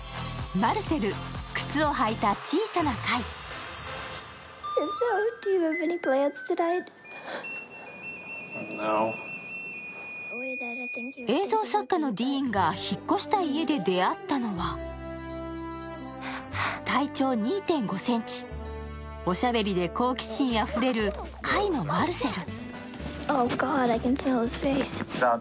続く映画作家のディーンが引っ越した家で出会ったのは体長２．５ｃｍ、おしゃべりで好奇心あふれる貝のマルセル。